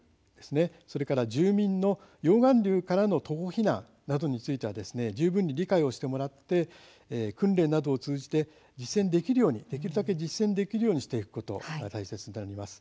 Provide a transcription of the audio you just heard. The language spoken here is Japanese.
それから住民の溶岩流からの徒歩避難などについては十分に理解をしてもらって訓練などを通じてできるだけ実践できるようにしていくことが大切になります。